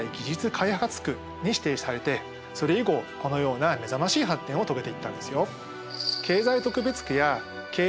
開発区に指定されてそれ以後このような目覚ましい発展を遂げていったんですよ。